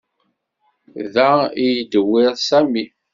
Da i yeddewwir Sami.